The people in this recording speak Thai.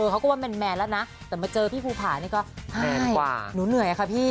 เขาก็ว่าแมนแล้วนะแต่มาเจอพี่ภูผานี่ก็แมนกว่าหนูเหนื่อยอะค่ะพี่